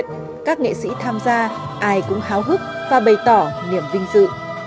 các nghệ sĩ tham gia ai cũng háo hức và bày tỏ niềm vinh dự